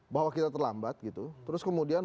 bahwa kita terlambat gitu terus kemudian